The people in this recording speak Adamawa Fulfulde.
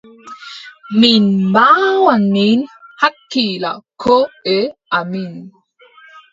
Min mbaawan min hakkila koʼe amin.